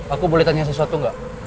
aku boleh tanya sesuatu enggak